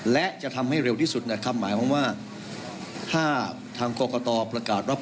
และจะทำให้เร็วที่สุดนะครับ